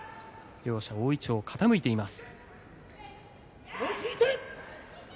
両者大いちょう傾いています。